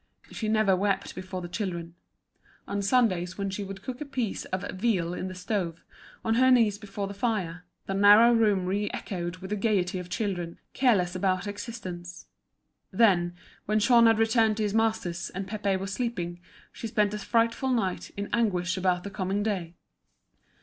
She never wept before the children. On Sundays, when she would cook a piece of veal in the stove, on her knees before the fire, the narrow room re echoed with the gaiety of children, careless about existence. Then, when Jean had returned to his master's and Pépé was sleeping, she spent a frightful night, in anguish about the coming clay.